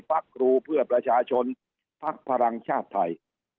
พักครูเพื่อประชาชนพักพลังชาติไทย